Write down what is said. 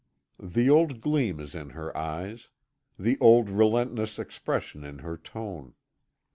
The old gleam is in her eyes. The old relentless expression in her tone.